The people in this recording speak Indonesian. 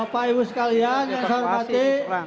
bapak ibu sekalian yang saya hormati